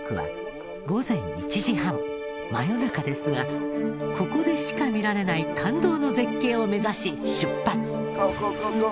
これはここでしか見られない感動の絶景を目指し出発。